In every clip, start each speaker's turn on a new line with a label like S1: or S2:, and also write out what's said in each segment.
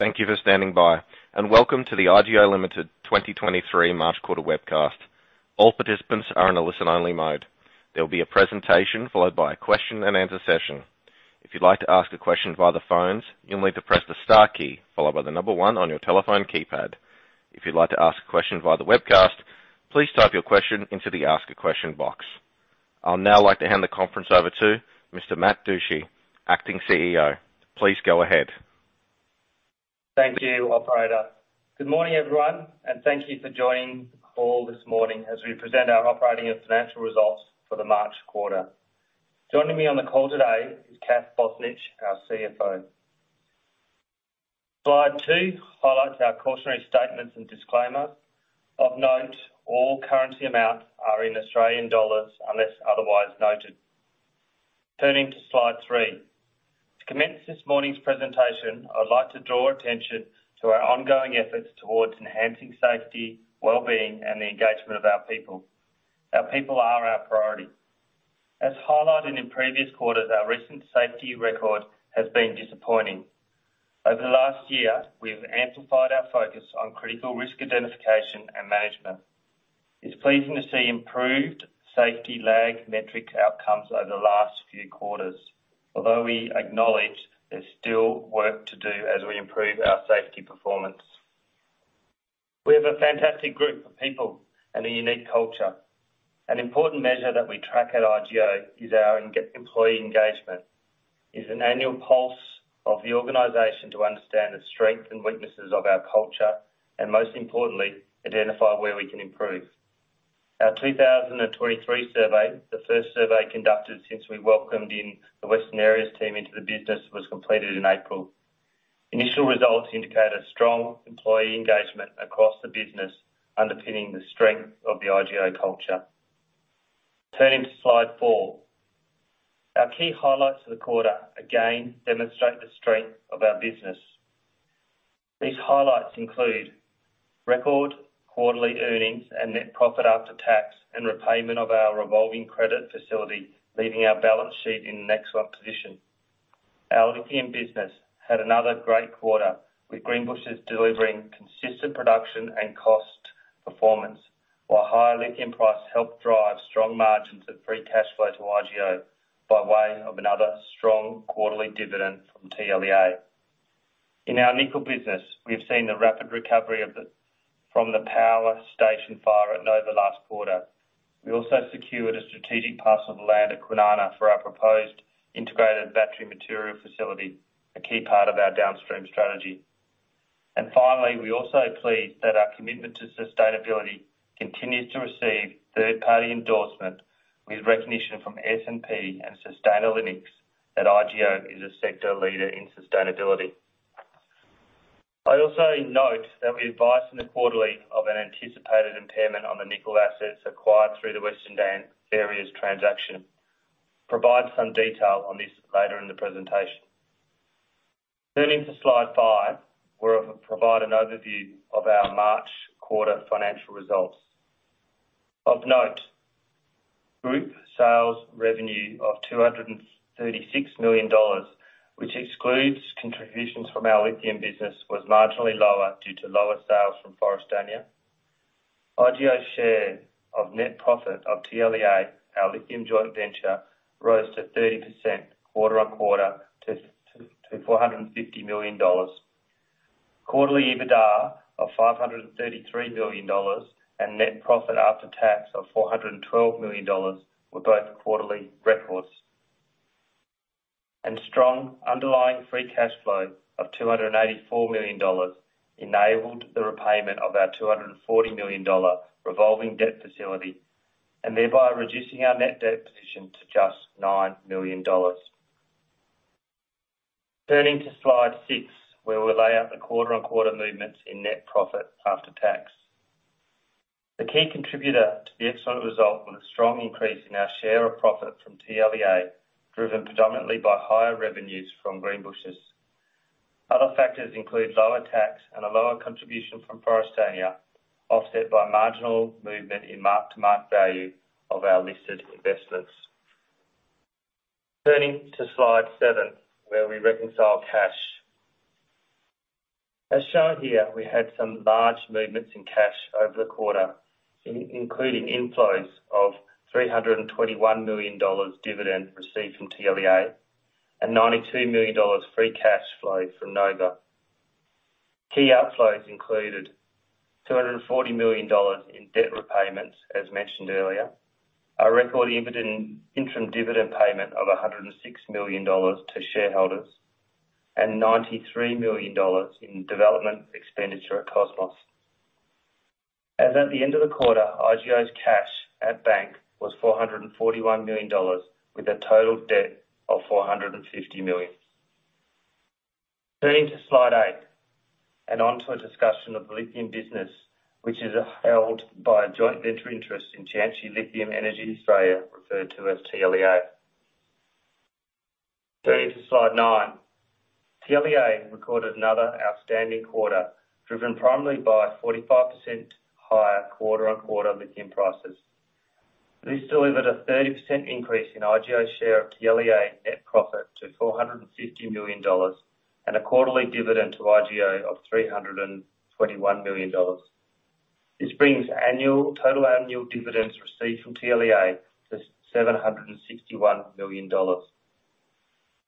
S1: Thank you for standing by, and welcome to the IGO Limited 2023 March quarter webcast. All participants are in a listen-only mode. There will be a presentation followed by a question and answer session. If you'd like to ask a question via the phones, you'll need to press the star key followed by one on your telephone keypad. If you'd like to ask a question via the webcast, please type your question into the ask a question box. I'll now like to hand the conference over to Mr. Matt Dusci, Acting CEO. Please go ahead.
S2: Thank you, Operator. Good morning, everyone, thank you for joining the call this morning as we present our operating and financial results for the March quarter. Joining me on the call today is Kath Bozanic, our CFO. Slide two highlights our cautionary statements and disclaimer. Of note, all currency amounts are in Australian dollars unless otherwise noted. Turning to slide three. To commence this morning's presentation, I would like to draw attention to our ongoing efforts towards enhancing safety, well-being, and the engagement of our people. Our people are our priority. As highlighted in previous quarters, our recent safety record has been disappointing. Over the last year, we have amplified our focus on critical risk identification and management. It's pleasing to see improved safety lag metric outcomes over the last few quarters. We acknowledge there's still work to do as we improve our safety performance. We have a fantastic group of people and a unique culture. An important measure that we track at IGO is our employee engagement. It's an annual pulse of the organization to understand the strengths and weaknesses of our culture, and most importantly, identify where we can improve. Our 2023 survey, the first survey conducted since we welcomed in the Western Areas team into the business, was completed in April. Initial results indicate a strong employee engagement across the business, underpinning the strength of the IGO culture. Turning to slide four. Our key highlights for the quarter again demonstrate the strength of our business. These highlights include record quarterly earnings and net profit after tax and repayment of our revolving credit facility, leaving our balance sheet in an excellent position. Our lithium business had another great quarter, with Greenbushes delivering consistent production and cost performance, while higher lithium prices helped drive strong margins and free cash flow to IGO by way of another strong quarterly dividend from TLEA. In our nickel business, we have seen the rapid recovery from the power station fire at Nova last quarter. We also secured a strategic parcel of land at Kwinana for our proposed integrated battery material facility, a key part of our downstream strategy. Finally, we're also pleased that our commitment to sustainability continues to receive third-party endorsement with recognition from S&P and Sustainalytics that IGO is a sector leader in sustainability. I'd also note that we advised in the quarterly of an anticipated impairment on the nickel assets acquired through the Western Areas transaction. Provide some detail on this later in the presentation. Turning to slide five, where I'll provide an overview of our March quarter financial results. Of note, group sales revenue of 236 million dollars, which excludes contributions from our lithium business, was marginally lower due to lower sales from Forrestania. IGO's share of net profit of TLEA, our lithium joint venture, rose to 30% quarter-on-quarter to 450 million dollars. Quarterly EBITDA of 533 million dollars and Net Profit After Tax of 412 million dollars were both quarterly records. Strong underlying free cash flow of 284 million dollars enabled the repayment of our 240 million dollar revolving debt facility and thereby reducing our net debt position to just 9 million dollars. Turning to slide six, where we lay out the quarter-on-quarter movements in Net Profit After Tax. The key contributor to the excellent result was a strong increase in our share of profit from TLEA, driven predominantly by higher revenues from Greenbushes. Other factors include lower tax and a lower contribution from Forrestania, offset by marginal movement in mark-to-mark value of our listed investments. Turning to slide seven, where we reconcile cash. As shown here, we had some large movements in cash over the quarter, including inflows of AUD 321 million dividend received from TLEA and AUD 92 million free cash flow from Nova. Key outflows included AUD 240 million in debt repayments, as mentioned earlier, a record interim dividend payment of AUD 106 million to shareholders and AUD 93 million in development expenditure at Cosmos. As at the end of the quarter, IGO's cash at bank was 441 million dollars, with a total debt of 450 million. Turning to slide eight and onto a discussion of the lithium business, which is held by a joint venture interest in Tianqi Lithium Energy Australia, referred to as TLEA. Turning to slide nine. TLEA recorded another outstanding quarter, driven primarily by 45% higher quarter-on-quarter lithium prices. This delivered a 30% increase in IGO's share of TLEA net profit to 450 million dollars, and a quarterly dividend to IGO of 321 million dollars. This brings total annual dividends received from TLEA to 761 million dollars.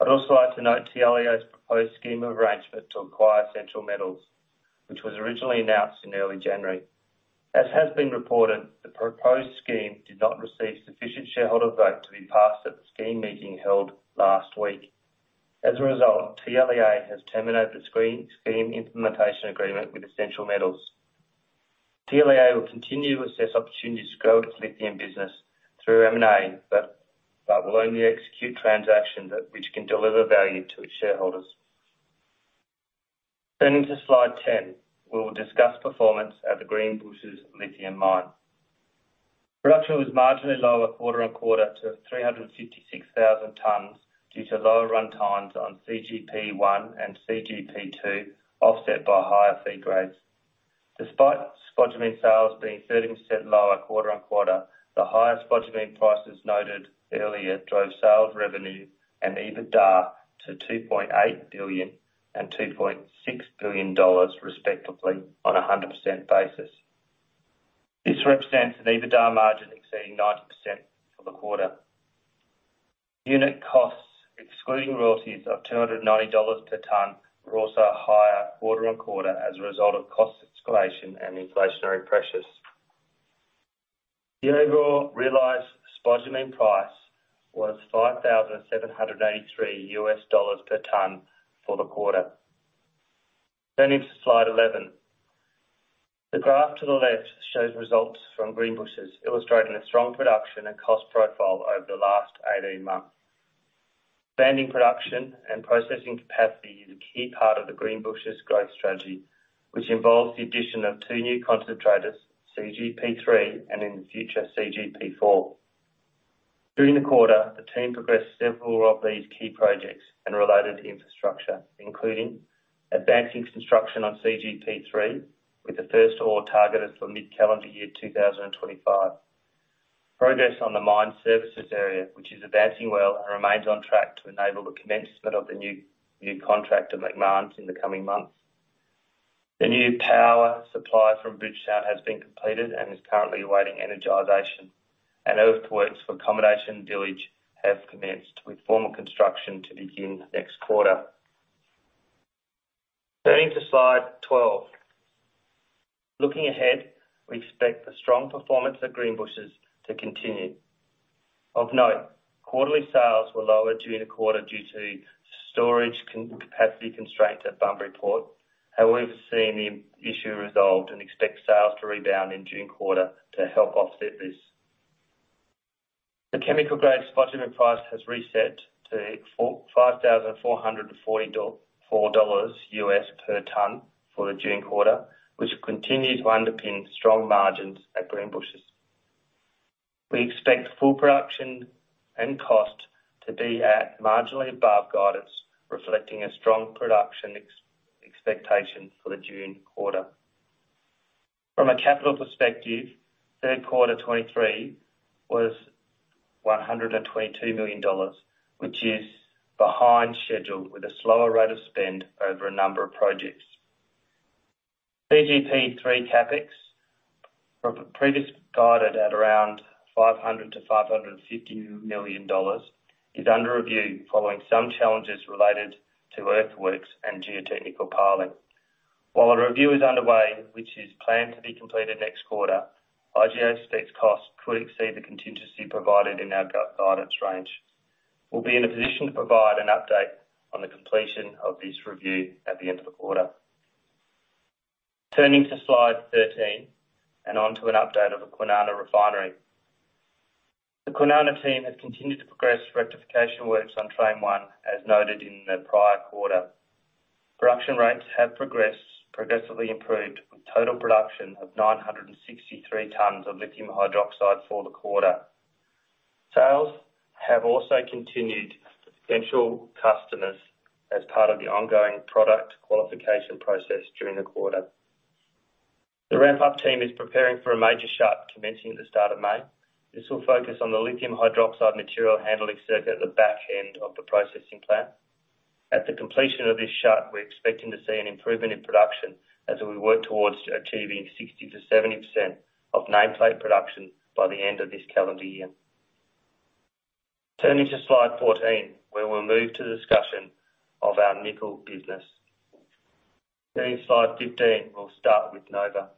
S2: I'd also like to note TLEA's proposed scheme of arrangement to acquire Essential Metals, which was originally announced in early January. As has been reported, the proposed scheme did not receive sufficient shareholder vote to be passed at the scheme meeting held last week. TLEA has terminated the Scheme Implementation Agreement with Essential Metals. TLEA will continue to assess opportunities to grow its lithium business through M&A, but will only execute transactions which can deliver value to its shareholders. Turning to slide 10, we will discuss performance at the Greenbushes lithium mine. Production was marginally lower quarter-on-quarter to 356,000 tons due to lower run times on CGP1 and CGP2, offset by higher fee grades. Despite spodumene sales being 13% lower quarter-on-quarter, the higher spodumene prices noted earlier drove sales revenue and EBITDA to 2.8 billion and 2.6 billion dollars respectively on a 100% basis. This represents an EBITDA margin exceeding 90% for the quarter. Unit costs, excluding royalties of 290 dollars per ton, were also higher quarter-on-quarter as a result of cost escalation and inflationary pressures. The overall realized spodumene price was $5,783 per ton for the quarter. Turning to slide 11. The graph to the left shows results from Greenbushes, illustrating a strong production and cost profile over the last 18 months. Expanding production and processing capacity is a key part of the Greenbushes growth strategy, which involves the addition of two new concentrators, CGP3 and, in the future, CGP4. During the quarter, the team progressed several of these key projects and related infrastructure, including advancing construction on CGP3, with the first ore t argeted for mid-calendar year 2025. Progress on the mine services area, which is advancing well and remains on track to enable the commencement of the new contract with Macmahon in the coming months. The new power supply from Bridgetown has been completed and is currently awaiting energization. Earthworks for accommodation village have commenced, with formal construction to begin next quarter. Turning to slide 12. Looking ahead, we expect the strong performance at Greenbushes to continue. Of note, quarterly sales were lower during the quarter due to storage capacity constraints at Bunbury Port. However, we've seen the issue resolved and expect sales to rebound in June quarter to help offset this. The chemical grade spodumene price has reset to $5,444 per ton for the June quarter, which will continue to underpin strong margins at Greenbushes. We expect full production and cost to be at marginally above guidance, reflecting a strong production expectation for the June quarter. From a capital perspective, third quarter 2023 was $122 million, which is behind schedule with a slower rate of spend over a number of projects. CGP3 CapEx, from previously guided at around $500 million-$550 million, is under review following some challenges related to earthworks and geotechnical piling. While a review is underway, which is planned to be completed next quarter, IGO expects costs could exceed the contingency provided in our guidance range. We'll be in a position to provide an update on the completion of this review at the end of the quarter. Turning to slide 13 and onto an update of the Kwinana refinery. The Kwinana team has continued to progress rectification works on Train 1, as noted in the prior quarter. Production rates have progressively improved, with total production of 963 tons of lithium hydroxide for the quarter. Sales have also continued to potential customers as part of the ongoing product qualification process during the quarter. The ramp-up team is preparing for a major shut commencing at the start of May. This will focus on the lithium hydroxide material handling circuit at the back end of the processing plant. At the completion of this shut, we're expecting to see an improvement in production as we work towards achieving 60%-70% of nameplate production by the end of this calendar year. Turning to slide 14, where we'll move to the discussion of our nickel business. Turning to slide 15, we'll start with Nova.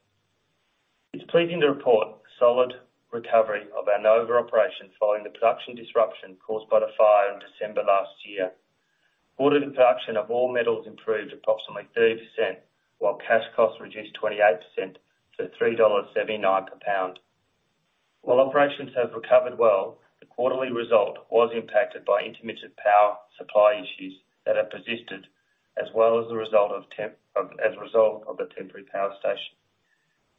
S2: It's pleasing to report a solid recovery of our Nova operation following the production disruption caused by the fire in December last year. Quarter production of all metals improved approximately 30%, while cash costs reduced 28% to 3.79 dollars per pound. While operations have recovered well, the quarterly result was impacted by intermittent power supply issues that have persisted as well as a result of the temporary power station.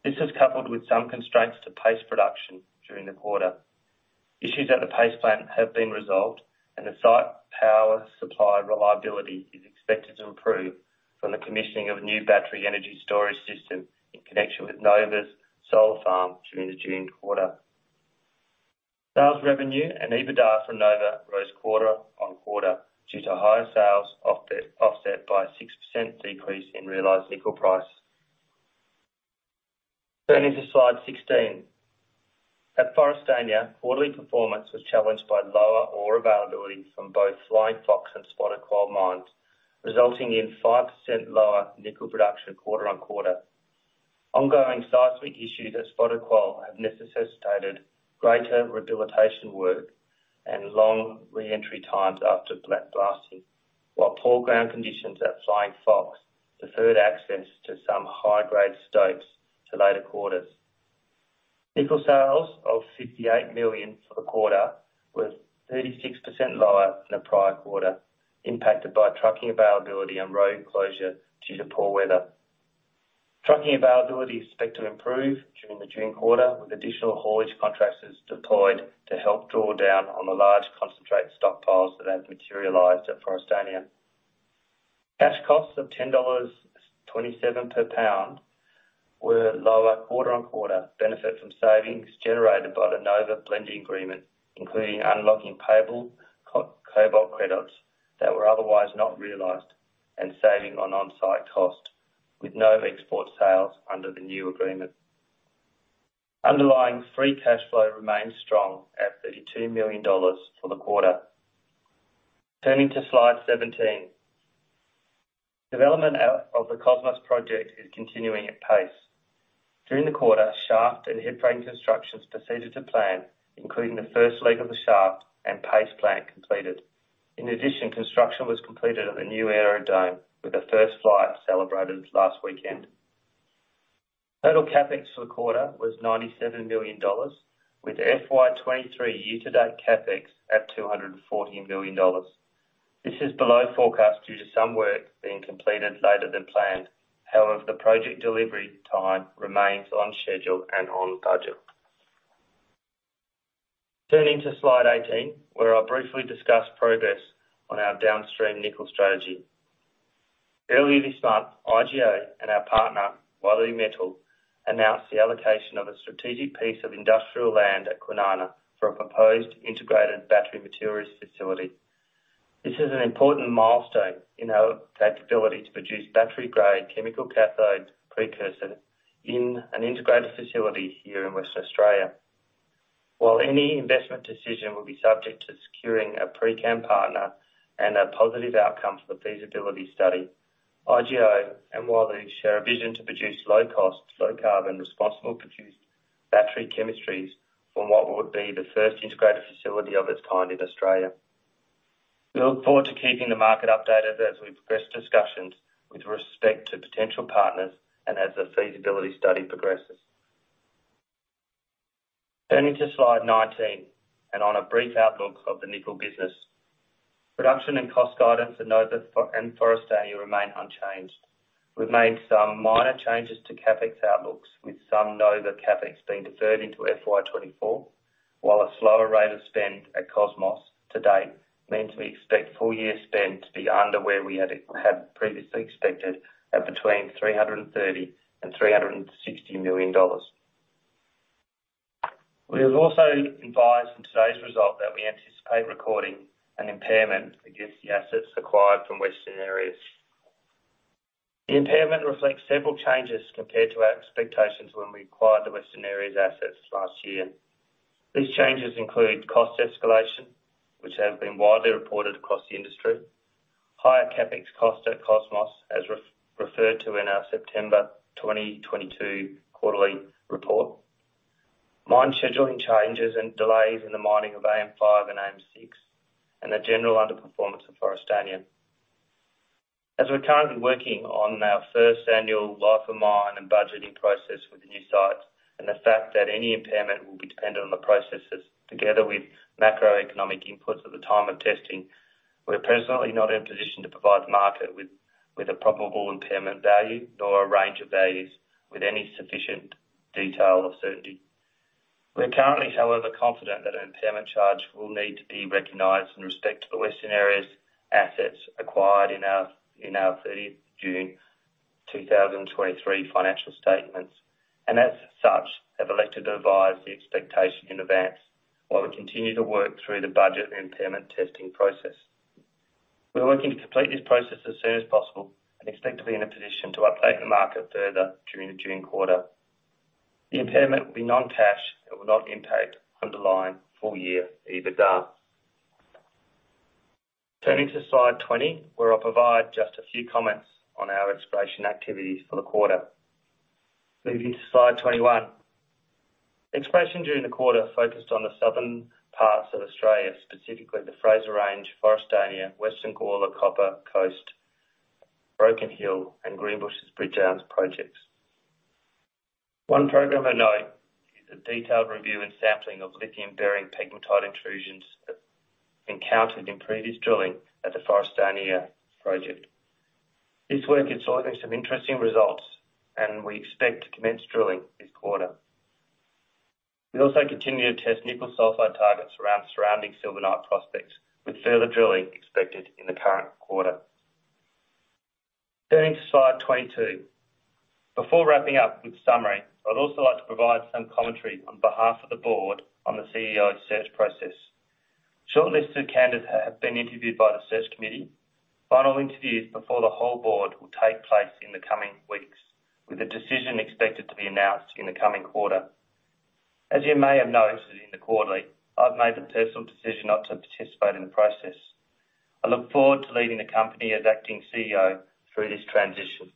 S2: This is coupled with some constraints to PACE production during the quarter. Issues at the PACE plant have been resolved, and the site power supply reliability is expected to improve from the commissioning of new battery energy storage system in connection with Nova's solar farm during the June quarter. Sales revenue and EBITDA for Nova rose quarter-on-quarter due to higher sales offset by a 6% decrease in realized nickel price. Turning to slide 16. At Forrestania, quarterly performance was challenged by lower ore availability from both Flying Fox and Spotted Quoll mines, resulting in 5% lower nickel production quarter on quarter. Ongoing sites with issues at Spotted Quoll have necessitated greater rehabilitation work and long re-entry times after blasting, while poor ground conditions at Flying Fox deferred access to some high-grade stopes to later quarters. Nickel sales of 58 million for the quarter were 36% lower than the prior quarter, impacted by trucking availability and road closure due to poor weather. Trucking availability is expected to improve during the June quarter, with additional haulage contractors deployed to help draw down on the large concentrate stockpiles that have materialized at Forrestania. Cash costs of 10.27 dollars per pound were lower quarter-on-quarter, benefit from savings generated by the Nova blending agreement, including unlocking payable co-cobalt credits that were otherwise not realized, and saving on on-site cost, with no export sales under the new agreement. Underlying free cash flow remains strong at 32 million dollars for the quarter. Turning to slide 17. Development out of the Cosmos project is continuing at PACE. During the quarter, shaft and headframe constructions proceeded to plan, including the first leg of the shaft and PACE plant completed. Construction was completed at the new aerodrome, with the first flight celebrated last weekend. Total CapEx for the quarter was AUD 97 million, with FY 2023 year-to-date CapEx at AUD 214 million. This is below forecast due to some work being completed later than planned. The project delivery time remains on schedule and on budget. Turning to slide 18, where I briefly discuss progress on our downstream nickel strategy. Earlier this month, IGO and our partner, Wyloo Metals, announced the allocation of a strategic piece of industrial land at Kwinana for a proposed integrated battery materials facility. This is an important milestone in our capability to produce battery-grade chemical cathode precursor in an integrated facility here in Western Australia. While any investment decision will be subject to securing a pre-CAM partner and a positive outcome for feasibility study, IGO and Wyloo share a vision to produce low cost, low carbon, responsible produced battery chemistries from what would be the first integrated facility of its kind in Australia. We look forward to keeping the market updated as we progress discussions with respect to potential partners and as the feasibility study progresses. Turning to slide 19, on a brief outlook of the nickel business. Production and cost guidance at Nova and Forrestania remain unchanged. We've made some minor changes to CapEx outlooks, with some Nova CapEx being deferred into FY 2024, while a slower rate of spend at Cosmos to date means we expect full-year spend to be under where we had previously expected of between 330 million and 360 million dollars. We have also advised in today's result that we anticipate recording an impairment against the assets acquired from Western Areas. The impairment reflects several changes compared to our expectations when we acquired the Western Areas assets last year. These changes include cost escalation, which have been widely reported across the industry, higher CapEx costs at Cosmos, as referred to in our September 2022 quarterly report. Mine scheduling changes and delays in the mining of AN5 and AN6, and the general underperformance of Forrestania. As we're currently working on our first annual life of mine and budgeting process with the new sites, and the fact that any impairment will be dependent on the processes together with macroeconomic inputs at the time of testing, we're presently not in a position to provide the market with a probable impairment value or a range of values with any sufficient detail or certainty. We're currently, however, confident that an impairment charge will need to be recognized in respect to the Western Areas assets acquired in our 30th June 2023 financial statements, and as such, have elected to advise the expectation in advance while we continue to work through the budget and impairment testing process. We are working to complete this process as soon as possible and expect to be in a position to update the market further during the June quarter. The impairment will be non-cash and will not impact underlying full-year EBITDA. Turning to slide 20, where I'll provide just a few comments on our exploration activities for the quarter. Moving to slide 21. Exploration during the quarter focused on the southern parts of Australia, specifically the Fraser Range, Forrestania, Western Gawler Copper Coast, Broken Hill, and Greenbushes Bridge Arms projects. One program of note is a detailed review and sampling of lithium-bearing pegmatite intrusions encountered in previous drilling at the Forrestania project. This work is showing some interesting results. We expect to commence drilling this quarter. We also continue to test nickel sulfide targets around surrounding Silver Knight prospects, with further drilling expected in the current quarter. Turning to slide 22. Before wrapping up with summary, I'd also like to provide some commentary on behalf of the Board on the CEO search process. Shortlisted candidates have been interviewed by the search committee. Final interviews before the whole board will take place in the coming weeks, with a decision expected to be announced in the coming quarter. As you may have noticed in the quarterly, I've made the personal decision not to participate in the process. I look forward to leading the company as acting CEO through this transition.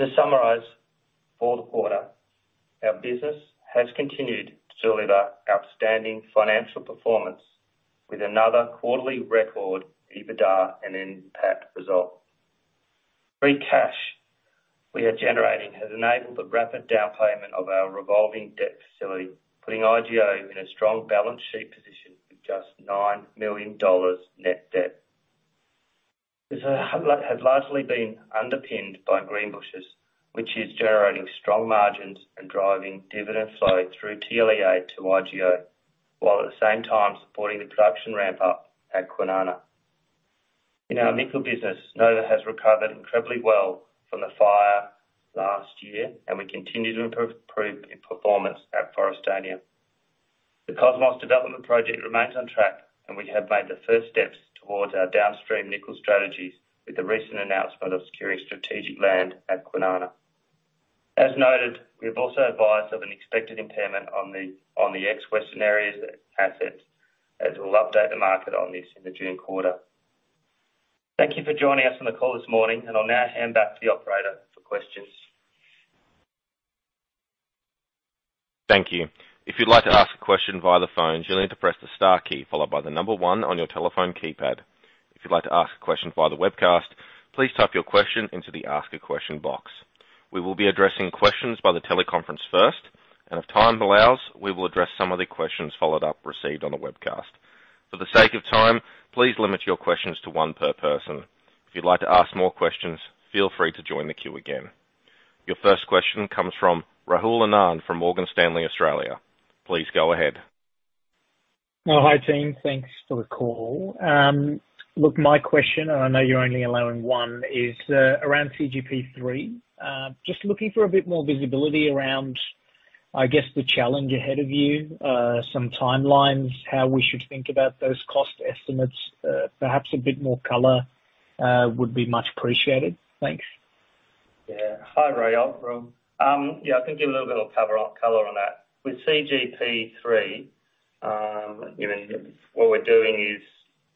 S2: To summarize for the quarter, our business has continued to deliver outstanding financial performance with another quarterly record, EBITDA and NPAT result. Free cash we are generating has enabled the rapid down payment of our revolving credit facility, putting IGO in a strong balance sheet position with just 9 million dollars net debt. This has largely been underpinned by Greenbushes, which is generating strong margins and driving dividend flow through TLEA to IGO, while at the same time supporting the production ramp up at Kwinana. In our nickel business, Nova has recovered incredibly well from the fire last year, and we continue to improve performance at Forrestania. The Cosmos development project remains on track and we have made the first steps towards our downstream nickel strategies with the recent announcement of securing strategic land at Kwinana. As noted, we have also advised of an expected impairment on the ex-Western Areas assets as we'll update the market on this in the June quarter. Thank you for joining us on the call this morning, I'll now hand back to the Operator for questions.
S1: Thank you. If you'd like to ask a question via the phone, you'll need to press the star key followed by the one on your telephone keypad. If you'd like to ask a question via the webcast, please type your question into the ask a question box. We will be addressing questions by the teleconference first. If time allows, we will address some of the questions followed up received on the webcast. For the sake of time, please limit your questions to one per person. If you'd like to ask more questions, feel free to join the queue again. Your first question comes from Rahul Anand from Morgan Stanley Australia. Please go ahead.
S3: Well, hi team. Thanks for the call. Look, my question, and I know you're only allowing one, is around CGP3. Just looking for a bit more visibility around, I guess the challenge ahead of you, some timelines, how we should think about those cost estimates. Perhaps a bit more color, would be much appreciated. Thanks.
S2: Yeah. Hi, Rahul. Yeah, I can give a little bit of cover, color on that. With CGP3, you know, what we're doing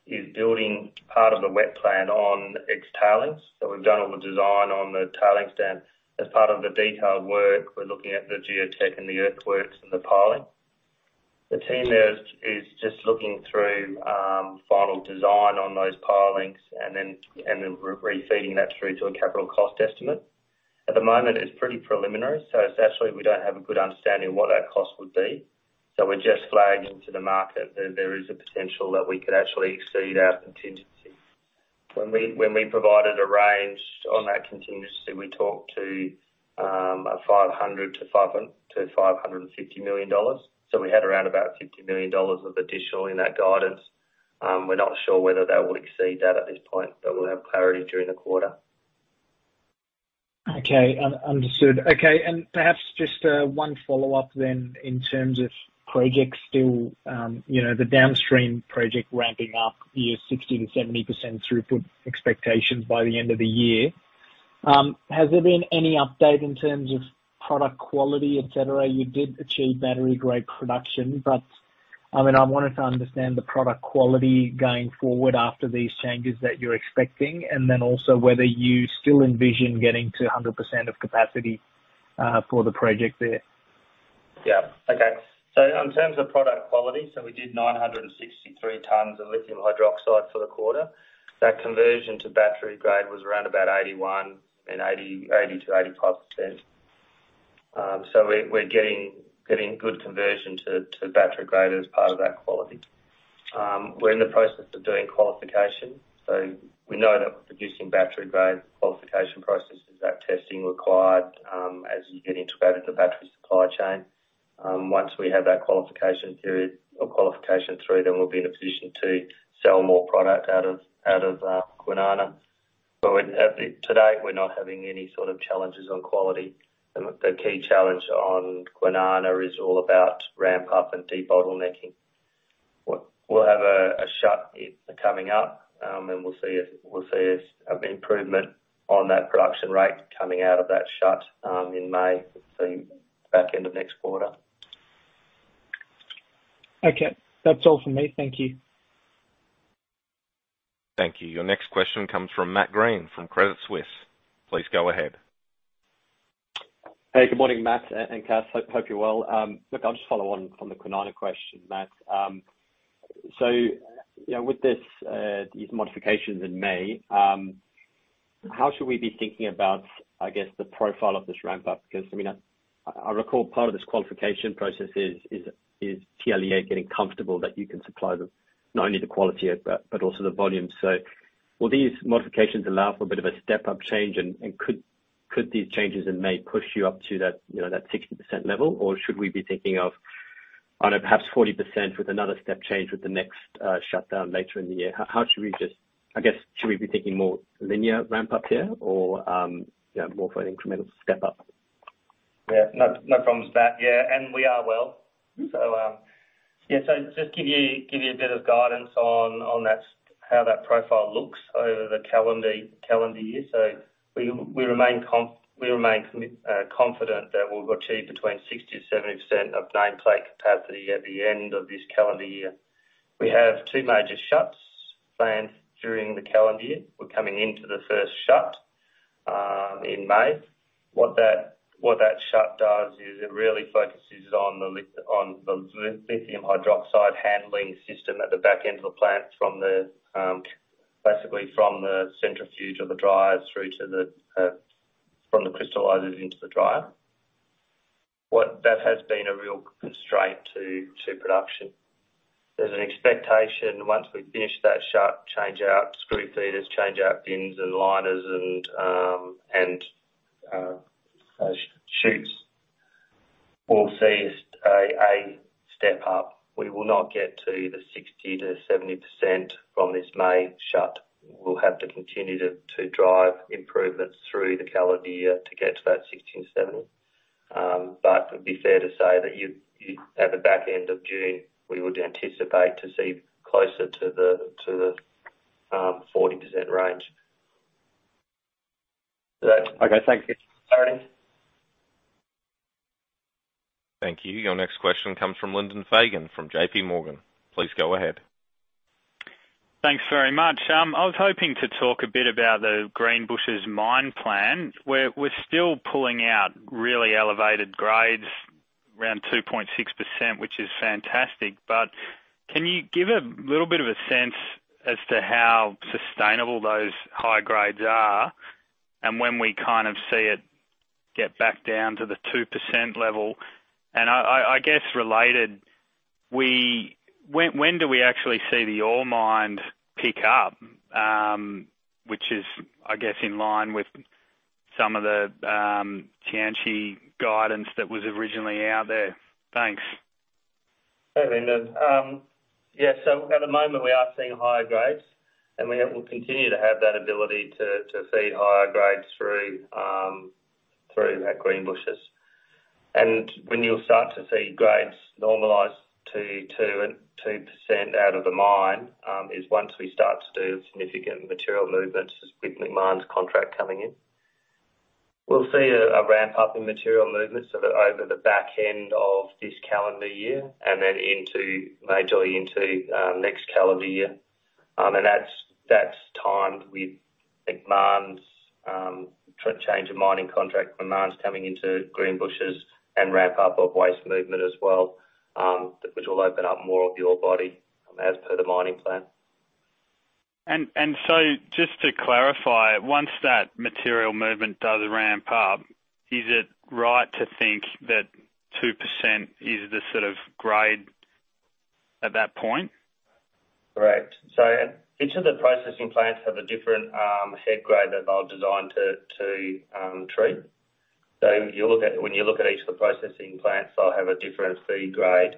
S2: is building part of the wet plant on its tailings. We've done all the design on the tailings dam. As part of the detailed work, we're looking at the geotech and the earthworks and the piling. The team there is just looking through final design on those pilings and then re-feeding that through to a capital cost estimate. At the moment it's pretty preliminary, so essentially we don't have a good understanding of what that cost would be. We're just flagging to the market that there is a potential that we could actually exceed our contingency. When we provided a range on that contingency, we talked to 500 million to 550 million dollars. We had around about 50 million dollars of additional in that guidance. We're not sure whether that will exceed that at this point, but we'll have clarity during the quarter.
S3: Okay. Understood. Okay. Perhaps just one follow-up then in terms of projects still, you know, the downstream project ramping up year 60%-70% throughput expectations by the end of the year. Has there been any update in terms of product quality, et cetera? You did achieve battery-grade production. I mean, I wanted to understand the product quality going forward after these changes that you're expecting, and then also whether you still envision getting to 100% of capacity for the project there?
S2: Yeah. Okay. In terms of product quality, so we did 963 tons of lithium hydroxide for the quarter. That conversion to battery grade was around about 80%-85%. We're getting good conversion to battery grade as part of that quality. We're in the process of doing qualification. We know that producing battery grade qualification processes, that testing required, as you get integrated into the battery supply chain. Once we have that qualification period or qualification through, then we'll be in a position to sell more product out of Kwinana. We're, today we're not having any sort of challenges on quality. The key challenge on Kwinana is all about ramp up and debottlenecking. We'll have a shut coming up, and we'll see if an improvement on that production rate coming out of that shut in May, so back end of next quarter.
S3: Okay. That's all for me. Thank you.
S1: Thank you. Your next question comes from Matt Greene, from Credit Suisse. Please go ahead.
S4: Hey, good morning, Matt and Cath. Hope you're well. Look, I'll just follow on from the Kwinana question, Matt. You know, with this, these modifications in May, how should we be thinking about, I guess, the profile of this ramp up? Because, I mean, I recall part of this qualification process is TLEA getting comfortable that you can supply the not only the quality of that, but also the volume. Will these modifications allow for a bit of a step-up change, and could these changes in May push you up to that, you know, that 60% level? Should we be thinking of, I don't know, perhaps 40% with another step change with the next shutdown later in the year? How should we just, I guess, should we be thinking more linear ramp up here or, you know, more for an incremental step up?
S2: Yeah. No, no problems with that. Yeah. We are well. Just give you a bit of guidance on that, how that profile looks over the calendar year. We remain confident that we'll achieve between 60%-70% of nameplate capacity at the end of this calendar year. We have two major shuts planned during the calendar year. We're coming into the first shut in May. What that shut does is it really focuses on the lithium hydroxide handling system at the back end of the plant from the, basically from the centrifuge or the dryers through to the from the crystallizers into the dryer. That has been a real constraint to production. There's an expectation once we finish that shut, change out screw feeders, change out bins and liners and chutes, we'll see a step up. We will not get to the 60%-70% from this May shut. We'll have to continue to drive improvements through the calendar year to get to that 60%-70%. It would be fair to say that you, at the back end of June, we would anticipate to see closer to the 40% range.
S4: Okay. Thank you.
S2: All right.
S1: Thank you. Your next question comes from Lyndon Fagan, from JPMorgan. Please go ahead.
S5: Thanks very much. I was hoping to talk a bit about the Greenbushes mine plan, where we're still pulling out really elevated grades, around 2.6%, which is fantastic. Can you give a little bit of a sense as to how sustainable those high grades are and when we kind of see it get back down to the 2% level? I guess related, when do we actually see the ore mine pick up, which is, I guess, in line with some of the Tianqi guidance that was originally out there? Thanks.
S2: Hey, Lyndon. Yeah. At the moment, we are seeing higher grades, and we will continue to have that ability to feed higher grades through that Greenbushes. When you'll start to see grades normalize to two and 2% out of the mine is once we start to do significant material movements with Macmahon's contract coming in. We'll see a ramp up in material movements so that over the back end of this calendar year and then into, majorly into next calendar year. That's timed with Macmahon's change of mining contract demands coming into Greenbushes and ramp up of waste movement as well, which will open up more of the ore body as per the mining plan.
S5: Just to clarify, once that material movement does ramp up, is it right to think that 2% is the sort of grade at that point?
S2: Right. Each of the processing plants have a different head grade that they're designed to treat. When you look at each of the processing plants, they'll have a different feed grade.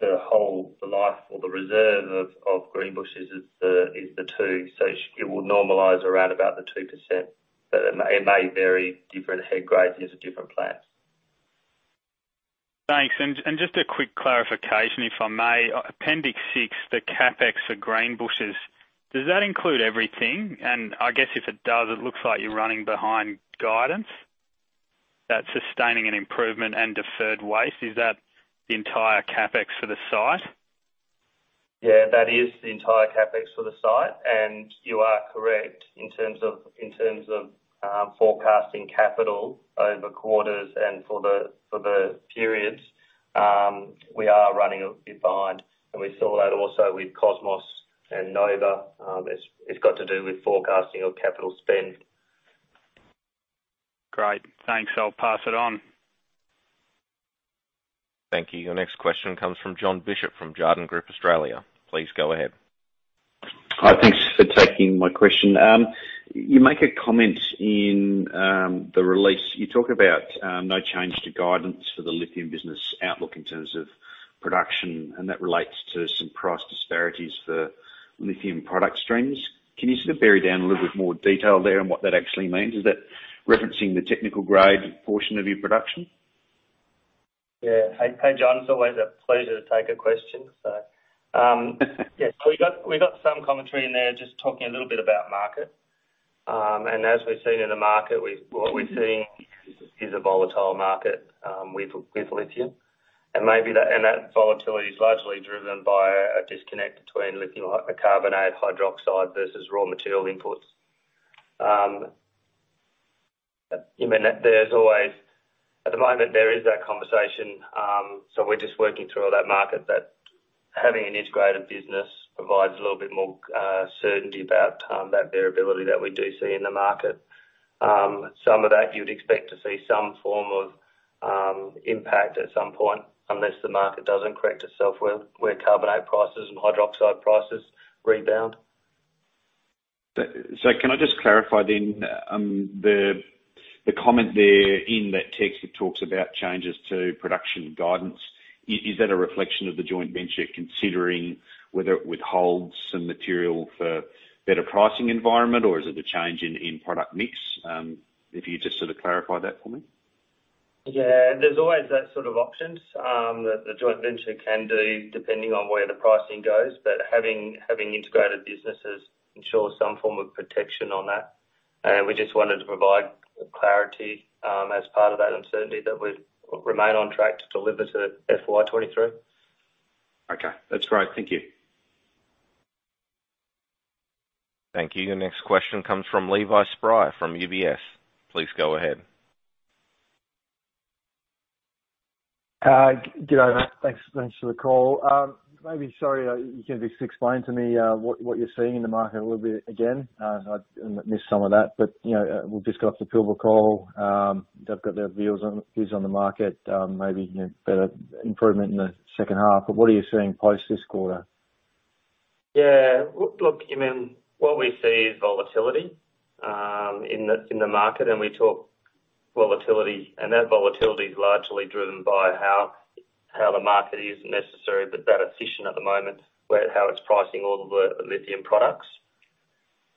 S2: The whole life or the reserve of Greenbushes is the 2%. It will normalize around about the 2%, but it may vary different head grades into different plants.
S5: Thanks. Just a quick clarification, if I may. Appendix 6, the CapEx for Greenbushes, does that include everything? I guess if it does, it looks like you're running behind guidance. That's sustaining an improvement and deferred waste. Is that the entire CapEx for the site?
S2: Yeah, that is the entire CapEx for the site. You are correct in terms of forecasting capital over quarters and for the periods. We are running a bit behind, and we saw that also with Cosmos and Nova. It's got to do with forecasting of capital spend.
S5: Great. Thanks. I'll pass it on.
S1: Thank you. Your next question comes from Jon Bishop from Jarden Group Australia. Please go ahead.
S6: Hi. Thanks for taking my question. You make a comment in the release. You talk about no change to guidance for the lithium business outlook in terms of production. That relates to some price disparities for lithium product streams. Can you sort of bury down a little bit more detail there on what that actually means? Is that referencing the technical grade portion of your production?
S2: Yeah. Hey, hey, Jon. It's always a pleasure to take a question. Yeah. We got, we got some commentary in there just talking a little bit about market. As we've seen in the market, what we're seeing is a volatile market with lithium. Maybe that volatility is largely driven by a disconnect between lithium carbonate hydroxide versus raw material inputs. You mean that there's always. At the moment, there is that conversation, so we're just working through all that market that having an integrated business provides a little bit more certainty about that variability that we do see in the market. Some of that you'd expect to see some form of impact at some point, unless the market doesn't correct itself where carbonate prices and hydroxide prices rebound.
S6: Can I just clarify then, the comment there in that text. It talks about changes to production guidance. Is that a reflection of the joint venture considering whether it withholds some material for better pricing environment, or is it the change in product mix? If you just sort of clarify that for me.
S2: Yeah. There's always that sort of options that the joint venture can do depending on where the pricing goes. Having integrated businesses ensures some form of protection on that. We just wanted to provide clarity as part of that uncertainty that we remain on track to deliver to FY23.
S6: Okay. That's great. Thank you.
S1: Thank you. The next question comes from Levi Spry from UBS. Please go ahead.
S7: Good day. Thanks for the call. Maybe, sorry, you can just explain to me what you're seeing in the market a little bit again. I missed some of that, but, you know, we've just got off the Pilbara call. They've got their views on the market, maybe, you know, better improvement in the second half. What are you seeing post this quarter?
S2: Yeah. Look, I mean, what we see is volatility, in the market, we talk volatility. That volatility is largely driven by how the market is necessary, but that decision at the moment, how it's pricing all the lithium products,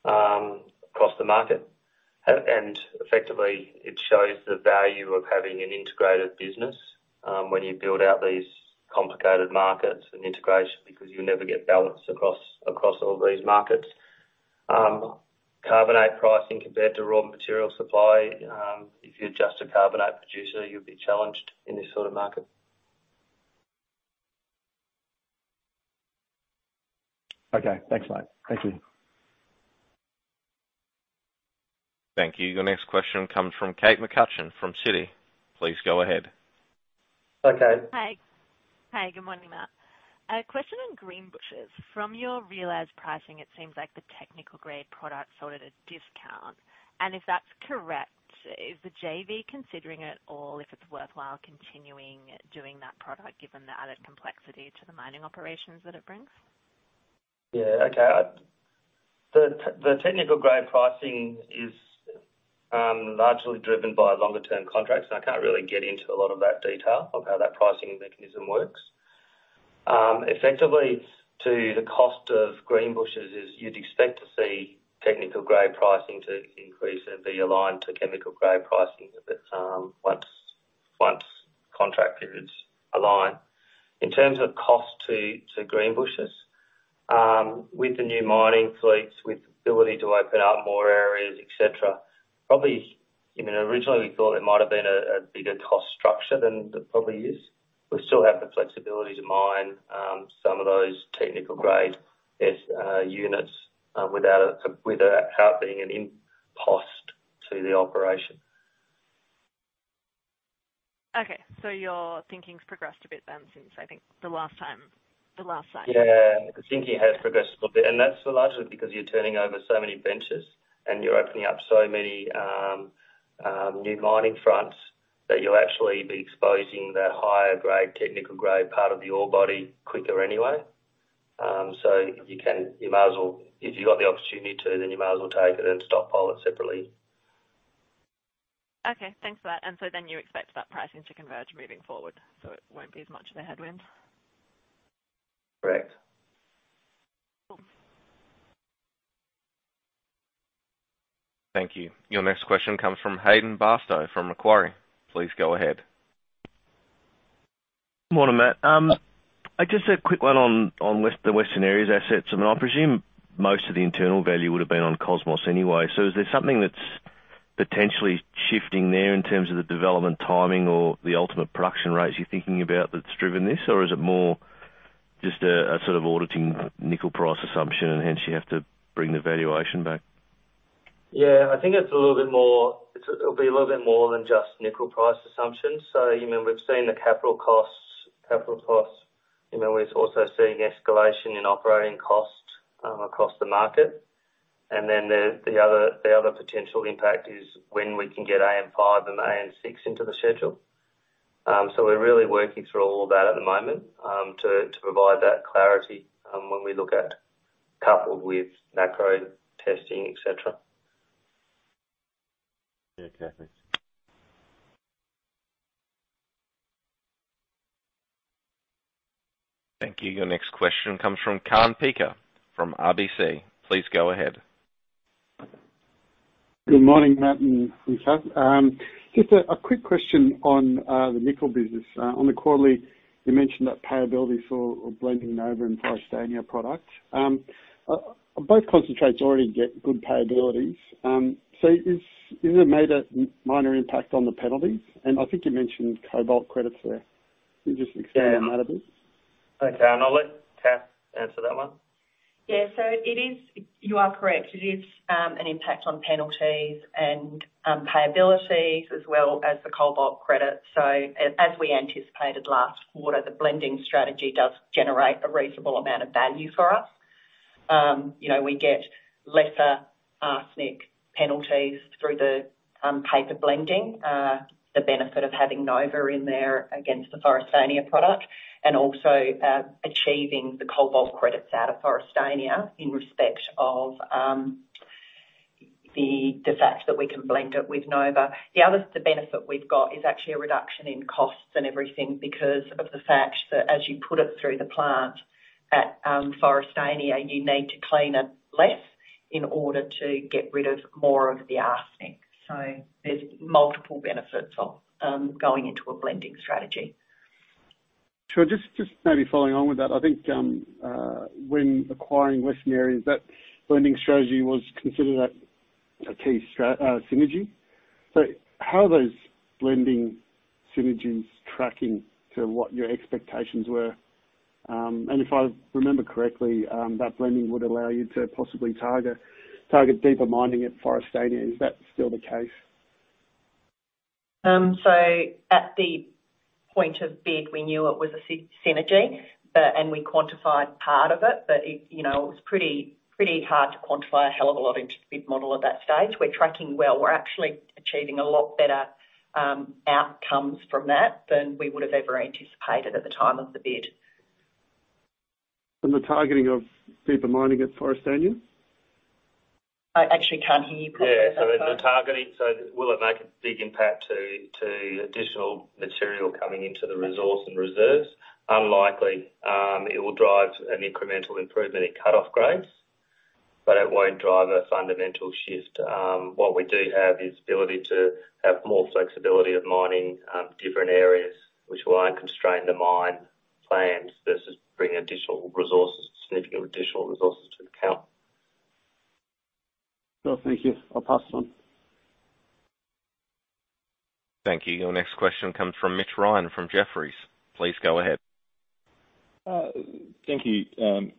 S2: across the market. Effectively, it shows the value of having an integrated business, when you build out these complicated markets and integration because you never get balance across all these markets. Carbonate pricing compared to raw material supply, if you're just a carbonate producer, you'll be challenged in this sort of market.
S7: Okay. Thanks, mate. Thank you.
S1: Thank you. Your next question comes from Kate McCutcheon from Citi. Please go ahead.
S2: Hi, Kate.
S8: Hi. Hi. Good morning, Matt. A question on Greenbushes. From your realized pricing, it seems like the technical-grade product sold at a discount. If that's correct, is the JV considering it or if it's worthwhile continuing doing that product given the added complexity to the mining operations that it brings?
S2: Yeah. Okay. The technical-grade pricing is largely driven by longer term contracts. I can't really get into a lot of that detail of how that pricing mechanism works. Effectively, to the cost of Greenbushes is you'd expect to see technical-grade pricing to increase and be aligned to chemical-grade pricing with it once contract periods align. In terms of cost to Greenbushes, with the new mining fleets, with the ability to open up more areas, et cetera, probably, you know, originally we thought it might have been a bigger cost structure than it probably is. We still have the flexibility to mine some of those technical-grade units without being an impost to the operation.
S8: Okay. Your thinking's progressed a bit then since, I think, the last time, the last cycle.
S2: Yeah. Thinking has progressed a little bit, and that's largely because you're turning over so many benches and you're opening up so many new mining fronts that you'll actually be exposing the higher grade, technical-grade part of the ore body quicker anyway. You can, you might as well... If you've got the opportunity to, then you might as well take it and stockpile it separately.
S8: Okay. Thanks for that. You expect that pricing to converge moving forward, so it won't be as much of a headwind?
S2: Correct.
S8: Cool.
S1: Thank you. Your next question comes from Hayden Bairstow from Macquarie. Please go ahead.
S9: Morning, Matt. Just a quick one on the Western Areas assets. I mean, I presume most of the internal value would have been on Cosmos anyway. Is there something that's potentially shifting there in terms of the development timing or the ultimate production rates you're thinking about that's driven this? Is it more just a sort of auditing nickel price assumption and hence you have to bring the valuation back?
S2: I think it'll be a little bit more than just nickel price assumptions. You know, we've seen the capital costs. You know, we're also seeing escalation in operating costs across the market. The other potential impact is when we can get AN5 and AN6 into the schedule. We're really working through all of that at the moment to provide that clarity when we look at coupled with macro testing, et cetera.
S9: Yeah. Okay. Thanks.
S1: Thank you. Your next question comes from Kaan Peker from RBC. Please go ahead.
S10: Good morning, Matt and Cath. Just a quick question on the nickel business. On the quarterly, you mentioned that payability for blending Nova and Aristonia product. Both concentrates already get good payabilities. Is it made a minor impact on the penalties? I think you mentioned cobalt credits there. Can you just expand on that a bit?
S2: Okay. I'll let Cath answer that one.
S11: Yeah, it is. You are correct. It is an impact on penalties and payability as well as the cobalt credit. As we anticipated last quarter, the blending strategy does generate a reasonable amount of value for us. You know, we get lesser arsenic penalties through the paper blending. The benefit of having Nova in there against the Forrestania product and also achieving the cobalt credits out of Forrestania in respect of the fact that we can blend it with Nova. The other, the benefit we've got is actually a reduction in costs and everything because of the fact that as you put it through the plant at Forrestania, you need to clean it less in order to get rid of more of the arsenic. There's multiple benefits of going into a blending strategy.
S10: Sure. Just maybe following on with that. I think when acquiring Western Areas, that blending strategy was considered a key synergy. How are those blending synergies tracking to what your expectations were? If I remember correctly, that blending would allow you to possibly target deeper mining at Forrestania. Is that still the case?
S11: At the point of bid, we knew it was a synergy, but. We quantified part of it. It, you know, was pretty hard to quantify a hell of a lot into the bid model at that stage. We're tracking well. We're actually achieving a lot better outcomes from that than we would have ever anticipated at the time of the bid.
S10: The targeting of deeper mining at Forrestania?
S11: I actually can't hear you properly.
S2: Yeah. The targeting, so will it make a big impact to additional material coming into the resource and reserves? Unlikely. It will drive an incremental improvement in cut-off grades, but it won't drive a fundamental shift. What we do have is ability to have more flexibility of mining, different areas which won't constrain the mine plans versus bringing additional resources, significant additional resources to the count.
S10: Cool. Thank you. I'll pass it on.
S1: Thank you. Your next question comes from Mitch Ryan from Jefferies. Please go ahead.
S12: Thank you,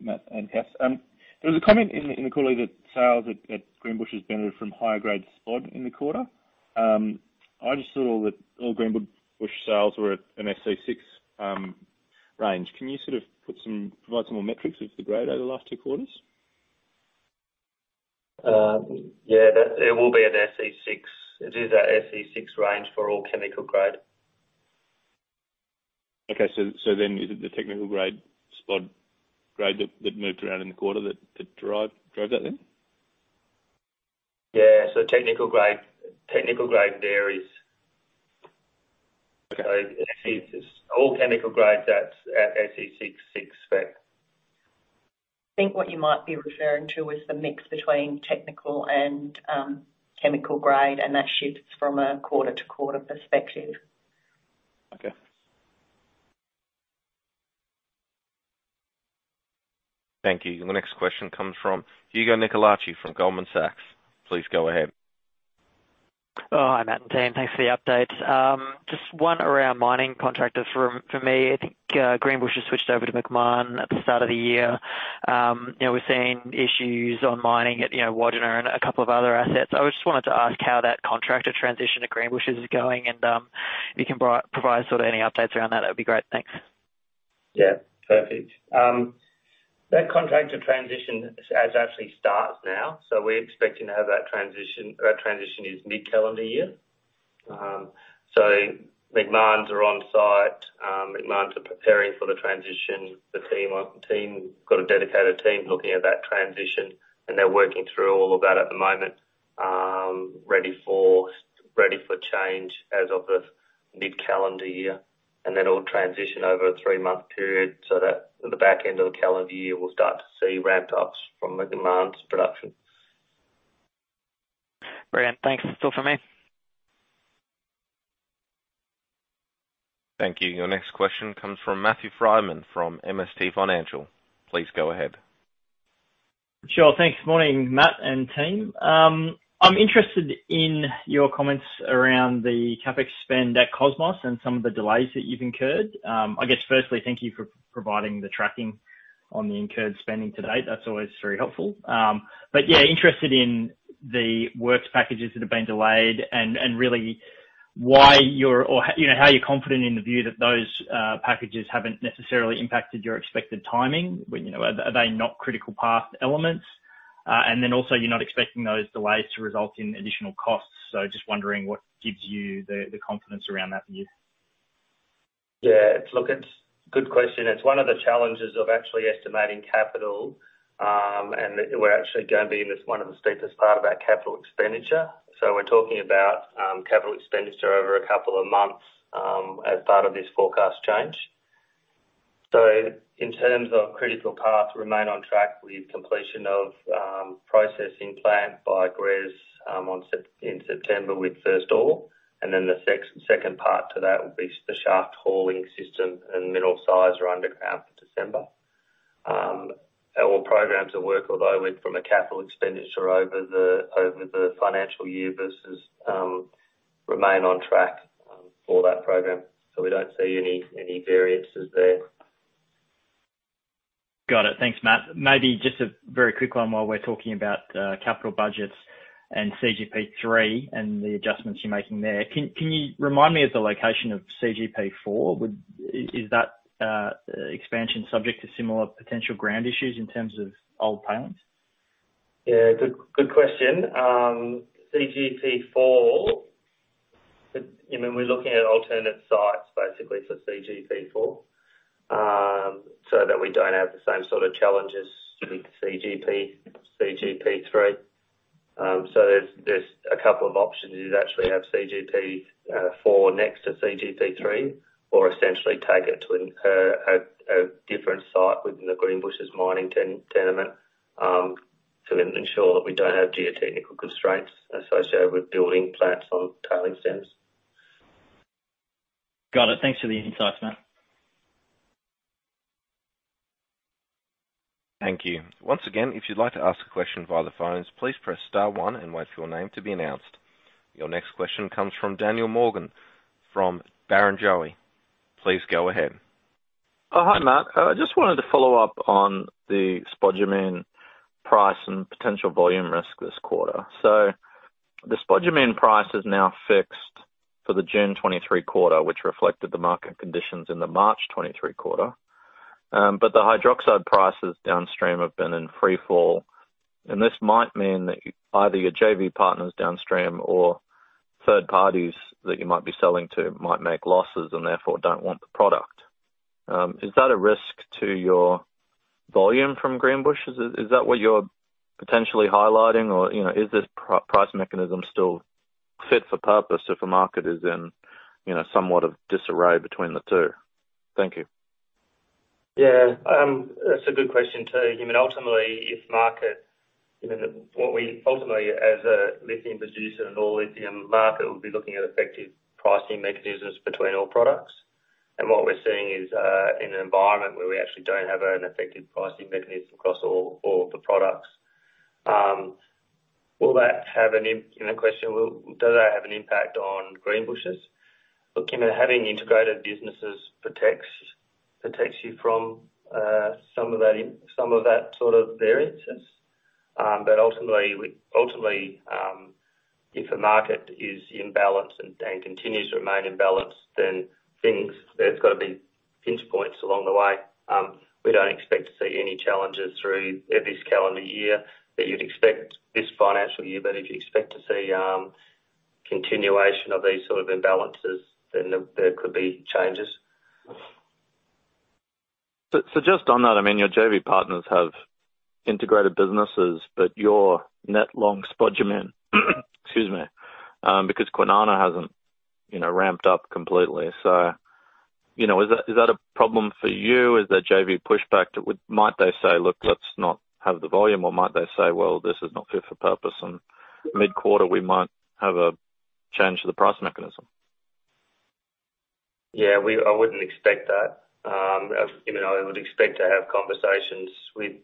S12: Matt and Kath. There was a comment in the quarterly that sales at Greenbushes benefited from higher grade spod in the quarter. I just thought all Greenbushes sales were at an SC6 range. Can you sort of provide some more metrics of the grade over the last two quarters?
S2: It will be an SC6. It is a SC6 range for all chemical grade.
S12: Is it the technical grade, spod grade that drove that then?
S2: Yeah. technical grade.
S12: Okay.
S2: It's all chemical grades at SC6 spec.
S11: I think what you might be referring to is the mix between technical and chemical grade, and that shifts from a quarter-to-quarter quarter perspective.
S12: Okay.
S1: Thank you. The next question comes from Hugo Nicolaci from Goldman Sachs. Please go ahead.
S13: Hi, Matt and team. Thanks for the update. Just one around mining contractors for me. I think Greenbushes switched over to Macmahon at the start of the year. You know, we're seeing issues on mining at, you know, Wodgina and a couple of other assets. I just wanted to ask how that contractor transition to Greenbushes is going and, if you can provide sort of any updates around that'd be great. Thanks.
S2: Perfect. That contractor transition has actually started now, so we're expecting to have that transition is mid-calendar year. Macmahon's are on site. Macmahon's are preparing for the transition. Got a dedicated team looking at that transition, and they're working through all of that at the moment, ready for change as of mid-calendar year. It'll transition over a three-month period so that the back end of the calendar year, we'll start to see ramped ups from Macmahon's productions.
S13: Brilliant. Thanks. That's all from me.
S1: Thank you. Your next question comes from Matthew Frydman from MST Financial. Please go ahead.
S14: Sure. Thanks. Morning, Matt and team. I'm interested in your comments around the CapEx spend at Cosmos and some of the delays that you've incurred. I guess firstly, thank you for providing the tracking on the incurred spending to date. That's always very helpful. Yeah, interested in the works packages that have been delayed and really why you're, you know, how you're confident in the view that those packages haven't necessarily impacted your expected timing. You know, are they not critical path elements? Then also, you're not expecting those delays to result in additional costs. Just wondering what gives you the confidence around that view.
S2: Good question. It's one of the challenges of actually estimating capital, and we're actually going to be in this, one of the steepest part of our capital expenditure. We're talking about capital expenditure over a couple of months as part of this forecast change. In terms of critical path, remain on track with completion of processing plant by GRES in September with first ore. The second part to that will be the shaft hauling system and middle size are underground for December. All programs of work, although with, from a capital expenditure over the financial year versus, remain on track. For that program. We don't see any variances there.
S14: Got it. Thanks, Matt. Maybe just a very quick one while we're talking about, capital budgets and CGP3 and the adjustments you're making there. Can you remind me of the location of CGP4? Is that expansion subject to similar potential ground issues in terms of old tailings?
S2: Yeah. Good question. CGP4, you know, we're looking at alternate sites basically for CGP4 so that we don't have the same sort of challenges with CGP3. There's a couple of options. You'd actually have CGP4 next to CGP3, or essentially take it to a different site within the Greenbushes mining tenement to ensure that we don't have geotechnical constraints associated with building plants on tailing stems.
S14: Got it. Thanks for the insights, Matt.
S1: Thank you. Once again, if you'd like to ask a question via the phones, please press star one and wait for your name to be announced. Your next question comes from Daniel Morgan from Barrenjoey. Please go ahead.
S15: Hi, Matt. I just wanted to follow up on the spodumene price and potential volume risk this quarter. The spodumene price is now fixed for the June 2023 quarter, which reflected the market conditions in the March 2023 quarter. The hydroxide prices downstream have been in free fall, and this might mean that either your JV partners downstream or third parties that you might be selling to might make losses and therefore don't want the product. Is that a risk to your volume from Greenbushes? Is that what you're potentially highlighting or, you know, is this price mechanism still fit for purpose if the market is in, you know, somewhat of disarray between the two? Thank you.
S2: Yeah. That's a good question too. I mean, ultimately, if market, you know, ultimately, as a lithium producer in all lithium market, we'll be looking at effective pricing mechanisms between all products. What we're seeing is in an environment where we actually don't have an effective pricing mechanism across all the products, will that have an impact, you know, question, does that have an impact on Greenbushes? Look, you know, having integrated businesses protects you from some of that sort of variances. Ultimately, if the market is imbalanced and continues to remain imbalanced, then things. There's gotta be pinch points along the way. We don't expect to see any challenges through this calendar year that you'd expect this financial year. If you expect to see continuation of these sort of imbalances, then there could be changes.
S15: Just on that, I mean, your JV partners have integrated businesses, but you're net long spodumene, excuse me, because Kwinana hasn't, you know, ramped up completely. Is that a problem for you? Is there JV pushback might they say, "Look, let's not have the volume," or might they say, "Well, this is not fit for purpose, and mid-quarter, we might have a change to the price mechanism?
S2: Yeah. I wouldn't expect that. You know, I would expect to have conversations with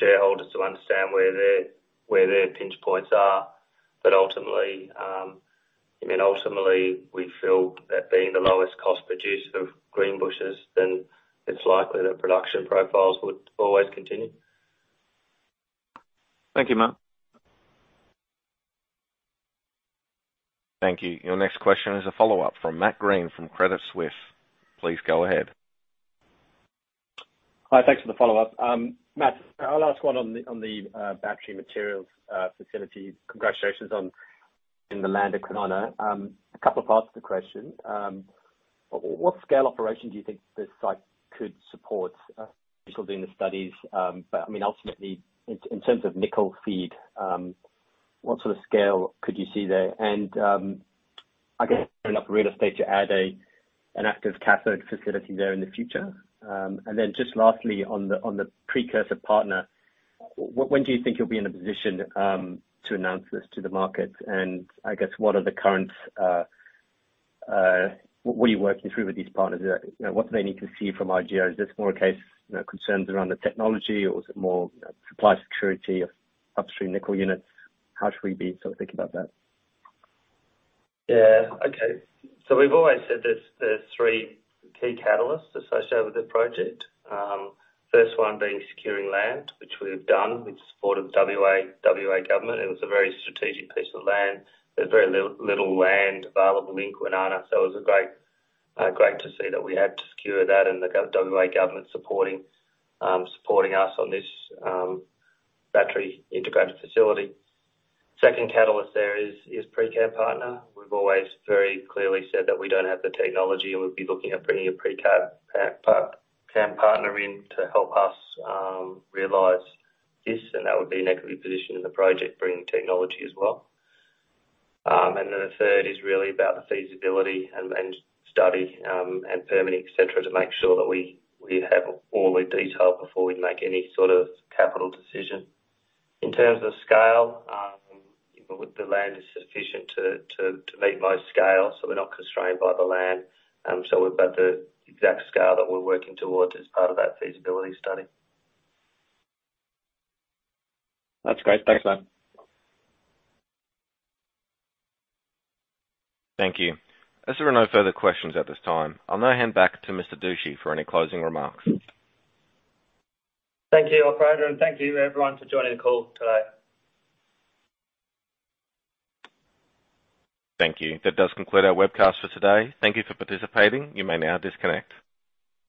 S2: shareholders to understand where their pinch points are. I mean, ultimately, we feel that being the lowest cost producer of Greenbushes, then it's likely that production profiles would always continue.
S15: Thank you, Matt.
S1: Thank you. Your next question is a follow-up from Matt Greene from Credit Suisse. Please go ahead.
S4: Hi. Thanks for the follow-up. Matt, I'll ask one on the battery materials facility. Congratulations on in the land of Kwinana. A couple of parts to the question. What scale operation do you think this site could support? You're still doing the studies, but I mean ultimately, in terms of nickel feed, what sort of scale could you see there? I guess, enough real estate to add an active cathode facility there in the future. Just lastly, on the precursor partner, when do you think you'll be in a position to announce this to the market? I guess, what are the current, what are you working through with these partners? You know, what do they need to see from IGO? Is this more a case, you know, concerns around the technology or is it more, you know, supply security of upstream nickel units? How should we be sort of thinking about that?
S2: Yeah. Okay. We've always said there's three key catalysts associated with the project. First one being securing land, which we've done with support of WA government. It was a very strategic piece of land. There's very little land available in Kwinana, so it was a great to see that we had to secure that and the WA government supporting us on this battery integrated facility. Second catalyst there is pre-CAM partner. We've always very clearly said that we don't have the technology, and we'd be looking at bringing a pre-CAM partner in to help us realize this, and that would be an equity position in the project, bringing technology as well. And then the third is really about the feasibility and study, and permitting, et cetera, to make sure that we have all the detail before we make any sort of capital decision. In terms of scale, the land is sufficient to meet most scale, so we're not constrained by the land. So we've got the exact scale that we're working towards as part of that feasibility study.
S4: That's great. Thanks, Matt.
S1: Thank you. As there are no further questions at this time, I'll now hand back to Mr. Dusci for any closing remarks.
S2: Thank you, Operator, and thank you everyone for joining the call today.
S1: Thank you. That does conclude our webcast for today. Thank you for participating. You may now disconnect.